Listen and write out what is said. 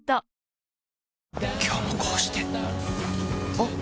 ・あっ！！